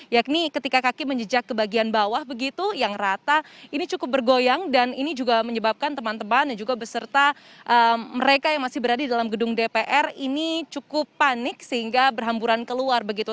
yakni ketika kaki menjejak ke bagian bawah begitu yang rata ini cukup bergoyang dan ini juga menyebabkan teman teman dan juga beserta mereka yang masih berada di dalam gedung dpr ini cukup panik sehingga berhamburan keluar begitu